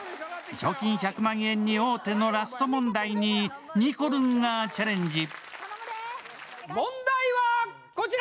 賞金１００万円に王手のラスト問題ににこるんがチャレンジ。